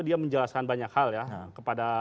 dia menjelaskan banyak hal ya kepada